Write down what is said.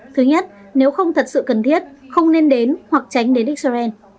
thứ nhất nếu không thật sự cần thiết không nên đến hoặc tránh đến israel